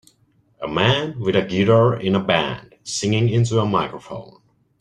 a man with a guitar in a band singing into a microphone